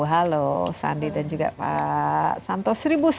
halo sandi dan juga pak santo